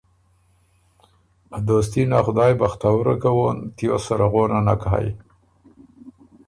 ا دوستي ن ا خدایٛ بختوُره کوون تیوس سره غونه نک هئ